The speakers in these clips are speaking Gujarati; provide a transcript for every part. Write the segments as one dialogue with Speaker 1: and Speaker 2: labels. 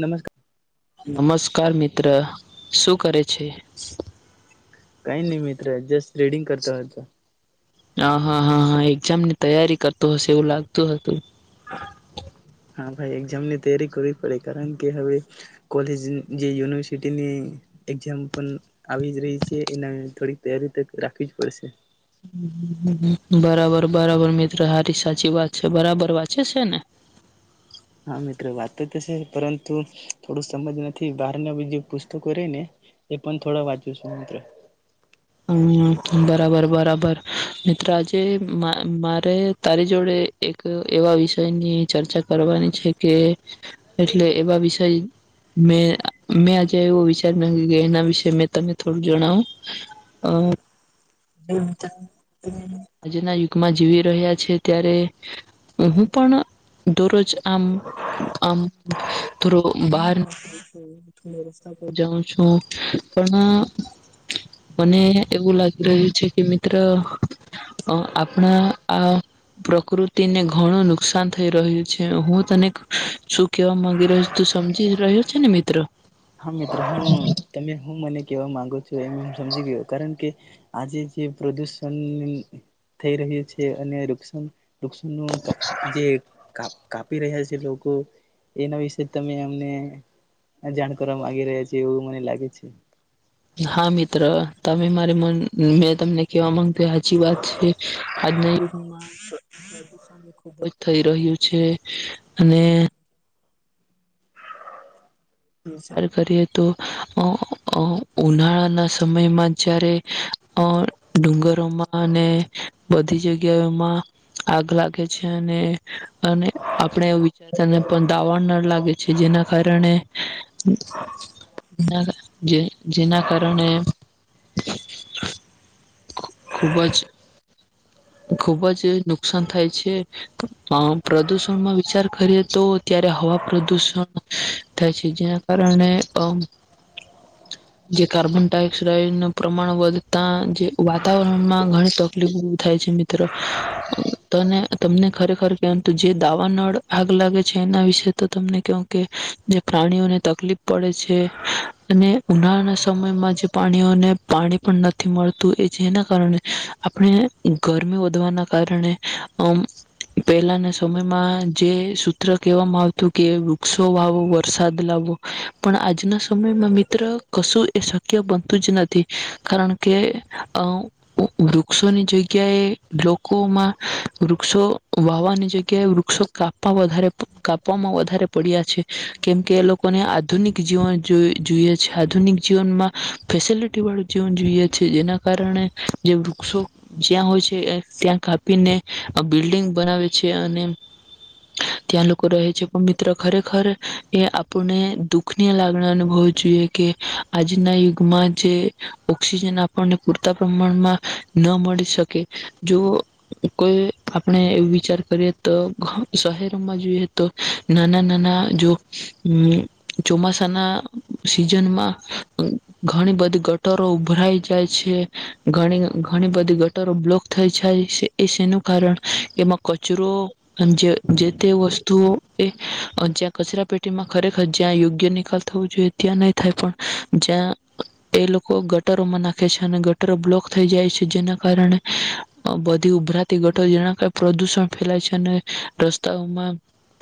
Speaker 1: નમસ્કાર.
Speaker 2: નમસ્કાર મિત્ર. શું કરે છે?
Speaker 1: કાઈ નહીં મિત્ર જસ્ટ રીડિંગ કરતા હતો.
Speaker 2: હા, હા, હા, હા એક્ઝામની તૈયારી કરતો હશે એવું લાગતું હતું.
Speaker 1: હા ભાઈ એક્ઝામની તૈયારી કરવી પડે, કારણ કે હવે કોલેજ જે યુનિવર્સિટીની એક્ઝામ પણ આવી જ રહી છે, એના થોડી તૈયારી તો રાખવી જ પડશે.
Speaker 2: બરાબર-બરાબર મિત્ર હારી સાચી વાત છે. બરાબર વાંચે છે ને?
Speaker 1: હા મિત્ર, વાંચતો તો છે, પરંતુ થોડું-થોડું સમજ નથી. બહાર ના બીજું પુસ્તકો રે ને એ પણ થોડા વાંચું છું મિત્ર.
Speaker 2: [unintelligible] બરાબર-બરાબર. મિત્ર આજે મા મારે તારી જોડે એક એવા વિષયની ચર્ચા કરવાની છે કે એટલે એવા વિષય મે અહ મેં આજે એવું વિચારી નાખ્યું કે એના વિશે મે તને થોડું જણાવું. હા. [unintelligible] આજના યુગમાં જીવી રહ્યા છે, ત્યારે હું પણ દોરોજ આમ-આમ થોડુંક બહાર જાઉં છું. પણ મને એવું લાગ રહ્યું છે કે મિત્ર અહ આપણા આ પ્રકૃતિને ઘણું નુકસાન થઈ રહ્યું છે. હું તને શું કેવા માંગી રહ્યો તું સમજી રહ્યો છે ને મિત્ર?
Speaker 1: હા મિત્ર, હું તમે હું મને કેવા માંગ તો એમ [unintelligible] કારણ કે આજે જે પ્રદુષણ થઈ રહ્યું છે અને રૃક્ષણ લકસનું ક જે ક કાપી રહ્યા છે લોકો એના વિશે તમે અમને જાણ કરવા માગી રહ્યા છે એવું મને લાગે છે
Speaker 2: હા મિત્ર મારે મ મેં તમને કેવા માંગતો સાચી વાત છે આજના યુગમાં ખુબ જ થઈ રહ્યું છે અને વિચાર કરીએ તો અ ઉનાળાના સમયમાં જયારે અ ડુંગરોમાં અને બધી જગ્યાઓમાં આગ લાગે છે અને અને આપણે વિચારતાને પણ દાવાણ ન લાગે છે જેના કારણે જે જેના કારણે ખૂબ જ ખુબ જ નુકસાન થાય છે પ્રદુષણમાં વિચાર કરીએ તો ત્યારે હવા પ્રદુષણ થાય છે જેના કારણે જે કાર્બન ડાયોક્સાઇડ ન પ્રમાણ વધતા જે વાતાવરણમાં ઘણી તકલીફ થાય છે મિત્ર ત તમને ખરેખર કહેવા જે દાવાનળ આગ લાગે છે એના વિશે તો તમને કવું કે જે પ્રાણીઓને તકલીફ પડે છે અને ઉનાળાના સમયમાં જે પ્રાણીઓને પાણી પણ નથી મળતું એ જેના કારણે આપણે ગરમી વધવાના કારણે અમ પહેલાના સમયમાં જે સૂત્ર કહેવામાં આવતું કે વૃક્ષો વાવો વરસાદ લાવવો પણ આજના સમયમાં મિત્ર કશું એ શક્ય બનતું જ નથી કારણ કે અ વૃક્ષોની જગ્યા જગ્યાએ લોકોમાં વૃક્ષો વાવાની જગ્યાએ વૃક્ષો કાપવા વધારે કાપવામાં વધારે પડ્યા છે કેમકે એ લોકોને આધુનિક જીવન જોઈએ છે આધુનિક જીવનમાં ફેસલિટી વાળું જીવન જોઈએ છે જેના કારણે જે વૃક્ષો જ્યાં હોય છે ત્યાં કાપીને બિલ્ડિંગ બનાવે છે અને ત્યાં લોકો રહે છે પણ મિત્રો ખરેખર એ આપણને દુખની લાગણી અનુભવવી જોઈએ કે આજના યુગમાં જે ઓક્સિજન આપણને પૂરતા પ્રમાણમાં ન શકે જો કોઈ આપણે વિચાર કરીએ તો શહેરોમાં જોઈએ તો નાના નાના જો ચોમાસાના સિઝનમાં ઘણી બધી ગટરો ઉભરાઈ જાય છે ઘણી-ઘણી બધી. રો બ્લોક થઈ જાય. તેનું કારણ એમાં કચરો, જે-જે તે વસ્તુઓ, એ જ્યાં કચરા પેટીમાં ખરેખર જ્યાં યોગ્ય નિકાલ થવો જોઈએ ત્યાં નહીં થાય, પણ જ્યાં. એ લોકો ગટરોમાં નાખે છે, અને ગટર. ગટરો બ્લોક થઈ જાય છે, જેને. કારણે બધી ઉભરાતી ગટરો, જેના કારણે પ્રદુષણ ફેલાય છે અને. રસ્તાઓમાં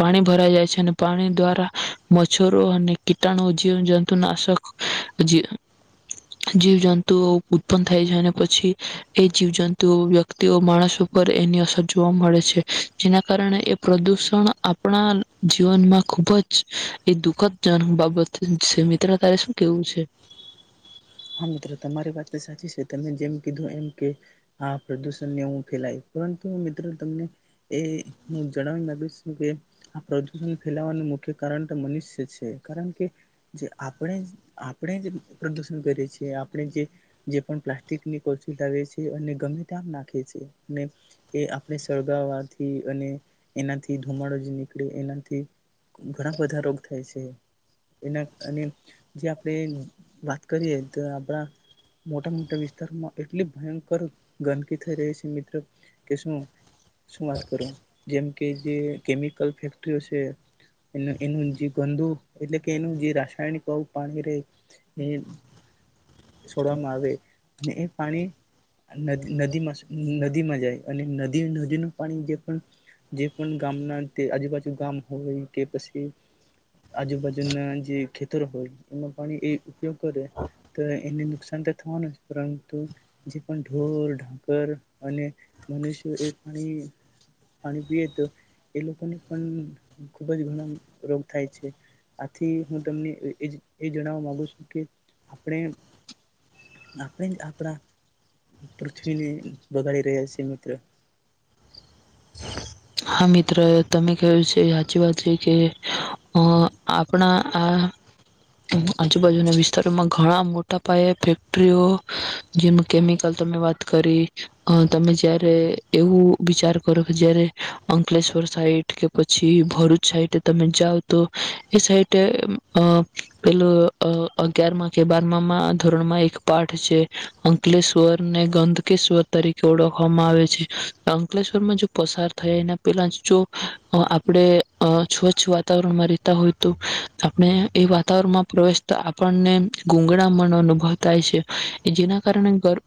Speaker 2: પાણી ભરાઈ જાય છે, અને પાણી દ્વારા. મચ્છરો અને કીટાણુ, જીવજંતુ નાશક જીવજંતુ ઉત્પન્ન થાય છે, અને પછી. એ જીવજંતુઓ વ્યક્તિઓ માણસો પર એની અસર જોવા મળે છે, જેના કારણે એ પ્રદુષણ આપણા જીવનમાં ખુબ જ એ દુઃખદજનક બાબત છે, મિત્ર. તારે શું કેવું છે?
Speaker 1: હા મિત્રો, તમારી વાત તો સાચી છે. તમે જેમ કીધું એમ કે આ પ્રદુષણને હું ફેલાય, પરંતુ મિત્રો તમને એ હું જણાવી ગી છ કે આ પ્રદુષણ ફેલાવાનું મુખ્ય કારણ તો મનુષ્ય છે, કારણ કે જે આપણે આપણે જરૂરી. બહુ બધી જે પણ પ્લાસ્ટિકની કોથળીઓ લાવે છે અને ગમે ત્યા નાખે છે, અને એ આપણે સળગાવવાથી, અને એનાથી ધુમાડો જે નીકળે, એનાથી ઘણા બધા રોગ થાય છે, એ અને જે આપણે. કરીએ તો આપણા મોટા મોટા વિસ્તારમાં એટલી ભયંકર ગંદકી થઈ રહી છે મિત્રો કે શું શું વાત કરું, જેમ કે જે કેમિકલ ફેક્ટરીઓ છે, એનું જે ગંદુ એટલે કે એનું જે રાસાયણિક પાણી રહે. છોડવામાં આવે અને એ પાણી નદીમાં નદીમાં જાય, અને નદી નદીનું પાણી જે પણ જે પણ ગામના તે આજુબાજુ ગામ હોય કે પછી આજુબાજુના જે ખેતરો હોય, એમાં પાણી એ ઉપયોગ. કરે તો એને નુકસાન તો થવાનું છે, પરંતુ જે પણ ઢોરઢાકર અને મનુષ્યો એ પાણી પાણી પીએ તો એ લોકોને પણ ખુબ જ ઘણા રોગ થાય છે. આથી હું તમને એ જણાવવા માગુ છું. કે આપણે આપણે જ આપણા પૃથ્વીને બગાડી રહ્યા છીએ, મિત્ર.
Speaker 2: હા મિત્ર, તમે કહું છે હાચી વાત છે કે આપણા આ. આજુબાજુના વિસ્તારોમાં ઘણા મોટા. ટપાએે ફેક્ટરીઓ જેનું કેમિકલ તમે વાત કરી, તમે જ્યારે એવું વિચાર કરો કે જ્યારે. અંકલેશ્વર સાઈડ કે પછી ભરૂચ સાઈડ તમે જાઓ તો એ સાઈડ, પેલો અગિયાર કે બારમા ધોરણમાં એક પાઠ છે. અંકલેશ્વર ને ગંદકેશ્વર તરીકે ઓળખવામાં આવે છે. અંકલેશ્વર માં જો પસાર. થયા, એના પહેલા જો આપણે સ્વચ્છ વાતાવરણમાં રહેતા હોય તો આપણે એ વાતાવરણમાં પ્રવેશતા આપણને ગૂંગળામણ અનુભવ થાય છે, જેના કારણેર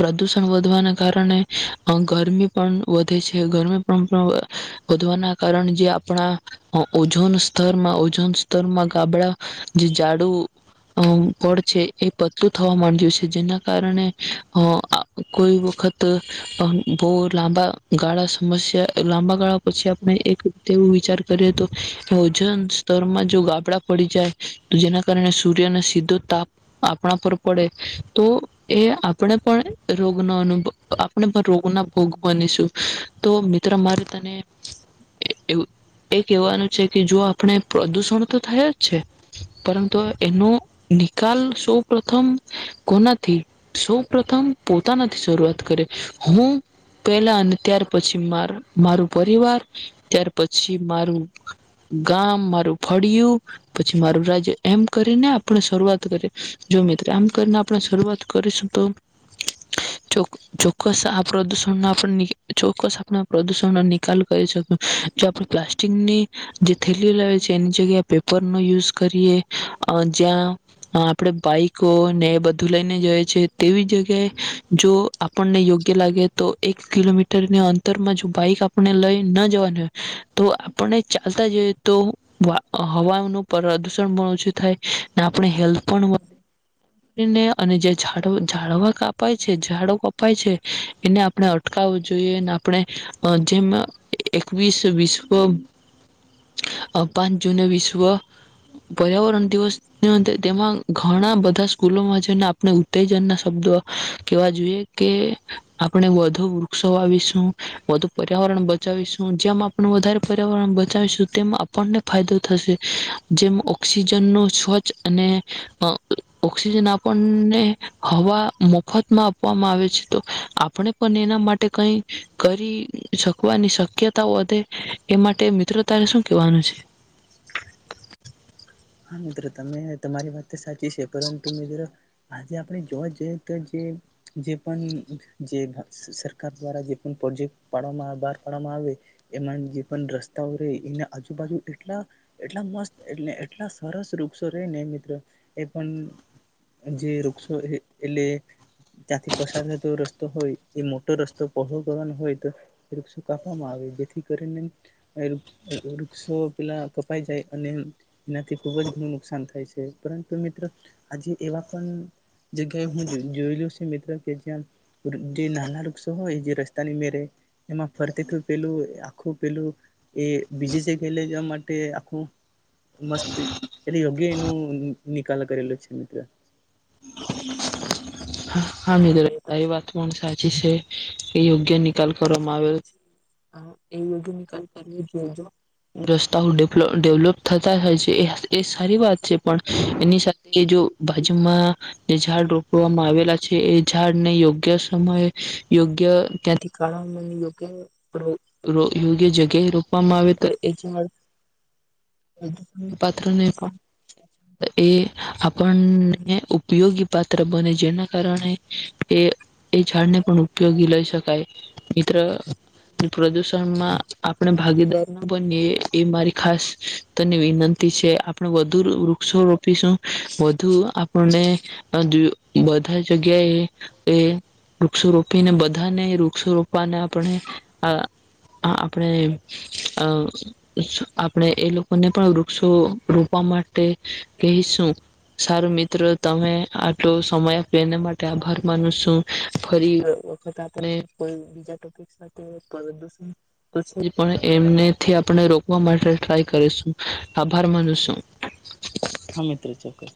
Speaker 2: પ્રદુષણ વધવાના કારણે ગરમી પણ વધે છે. ગરમી વધવાના કારણે જે આપણા ઓઝોન સ્તરમાં ઓઝોન સ્તરમાં ગાબડા જે ઝાડુ પડ છે, એ પડતું થવા માંડ્યું છે, જેના કારણે કોઈ વખત બહુ લાંબા. ગાળા સમસ્યા લાંબા ગાળા પછી આપણે એક રીતે એવું વિચાર કરીએ તો ઓજન સ્તરમાં જો ગાબડા પડી જાય, તો જેના કારણે સૂર્યના સીધો તાપ આપણા પર પડે, તો એ આપણે પણ રોગનો અનુભવ આપણે પણ રોગના ભોગ બનીશું. તો મિત્ર મારે તને એવું. એ કેવાનું છે કે જો આપણે પ્રદુષણ તો થયા જ છે. પરંતુ એનો નિકાલ સૌ પ્રથમ કોનાથી? સૌ પ્રથમ પોતાનાથી શરૂઆત કરે હું. પેલા. ત્યાર પછી મારું પરિવાર, ત્યાર પછી મારું ગામ, મારું ફળિયું, પછી મારું રાજ્ય- એમ કરીને આપણે શરૂઆત કરી. જો મિત્ર, આમ કરીને આપણે શરૂઆત કરીશું તો ચોક્કસ જો. બસ આપણા, પ્રદૂષણ, નો નિકાલ. કરીશ, જો આપણે પ્લાસ્ટિકની જે થેલીઓ લાવીએ છે એની જગ્યાએ પેપર નો યુઝ કરીએ, જ્યાં આપણે બાઈકો ને બધું લઈને જઈ છે તેવી જગ્યાએ જો આપણને યોગ્ય લાગે તો એક કિલોમીટર. અંતરમાં જો બાઈક આપણે લઈ. ન જવાનું હોય તો આપને ચાલતા જઈએ તો. હવાનું પ્રદુષણ પણ ઓછું થાય, આપણે હેલ્થ પણ મળે. જે ઝાડવા કપાય છે ઝાડો કપાય છે એને. ને અટકાવું. આપણે જેમ એકવીસ વિશ્વ પાંચ જૂને વિશ્વ પર્યાવરણ દિવસ, ઊજવીએ તેમાં ઘણા બધા સ્કૂલોમાં જઈને આપણે ઉત્તેજન ના શબ્દો. કેવા જોઈએ કે. આપણે વધુ. વૃક્ષો વાવીશુ, વધુ પર્યાવરણ બચાવીશું. જેમ આપણે વધારે પર્યાવરણ બચાવીશું, તેમમાં આપણને ફાયદો થશે. જેમ ઓક્સિજન નું સ્વચ્છ અને ઓક્સિજન આપણને હવા મફતમાં આપવામાં આવે છે, તો આપણે પણ. તે કંઈ કરી શકવાની શક્યતાઓ વધે. એ માટે, મિત્ર, તારે શું કેહેવાનું છે?
Speaker 1: હા મિત્રો તમે તમારી વાત તો સાચી છે પરંતુ મિત્રો આજે આપણે જોવા જઈએ તો જે પણ જે સરકાર દ્વારા જે પણ પ્રોજેક્ટ પાડવામાં બહાર પાડવામાં આવે, એમાં જે પણ રસ્તાઓ રહે એને આજુબાજુ એટલા એટલા મસ્ત એટલે લા સરસ વૃક્ષો રેને મિત્રો, એ પણ જે વૃક્ષો એટલે ત્યાંથી પસાર થતો રસ્તો હોય, એ મોટો રસ્તો પહોળો કરવાનો હોય તો વૃક્ષો કાપવામાં આવે જેથી કરીને વૃક્ષો પેલા કપાઈ જાય અને એનાથી ખુબ જ ઘણું નુકસાન થાય છે, પરંતુ મિત્રો આજે એવા પણ જગ્યાએ હું જોયલું છે, મિત્રો કે જ્યાં જે નાના વૃક્ષો હોય, જે રસ્તાની મેરે એમાં ફરતી તો પેલું આખું પેલું એ બીજી જગ્યાએ લઈ જવા માટે આખું મસ્ત રેયું. ગે નો નિકાલ કરેલો છે મિત્ર
Speaker 2: હા હા મિત્ર તારી એ વાત પણ સાચી છે, એ યોગ્ય નિકાલ કરવામાં આવેલો છે, એ યોગ્ય નિકાલ કરવ જો રસ્તાઓ ડેવલોપ થતા હોય છે એ સારી વાત છે પણ એની સાથે જો બાજૂ માં જે ઝાડ રોપવા - આવેલા છે એ ઝાડને યોગ્ય સમયે, યોગ્ય ત્યાંથીકાઢવામાં યોગ્ય યોગ્ય જગ્યાએ રોપવામાં આવે તો એજાડ પાત્ર ને એ આપણને ઉપયોગી પાત્ર બને જેના કારણે એ એ ઝાડને પણ ઉપયોગી લઈ, શકાય મિત્ર પ્રદુષણમાં આપણે ભાગીદાર ન બનીએ, એ મારી ખાસ તને વિનંતી છે, આપણે વધુ વૃક્ષો રોપીશું વધુ આપણને બધા જગ્યાએ એ વૃક્ષો રોપીને બધાને વૃક્ષો રોપવાને આપણે આ, આપણે આપણે એ લોકોને પણ વૃક્ષો રોપવા માટે કહીશું સારું મિત્ર તમે સમય આપે એના માટે આભાર માનું છું. ફરી વખત આપણે કોઈ બીજા ટોપિક સાથે એમનેથી આપણે રોકવા માટે ટ્રાય કરીશું. આભાર માનીશું.
Speaker 1: હા મિત્ર ચોક્કસ.